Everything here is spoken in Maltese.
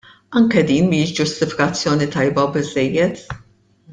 Anke din mhijiex ġustifikazzjoni tajba biżżejjed.